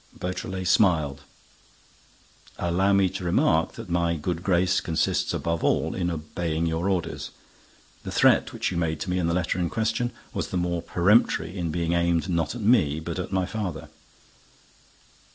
Beautrelet smiled: "Allow me to remark that my good grace consists, above all, in obeying your orders. The threat which you made to me in the letter in question was the more peremptory in being aimed not at me, but at my father."